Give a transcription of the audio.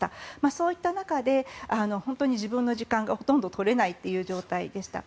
そういった中で自分の時間がほとんど取れないという状態でした。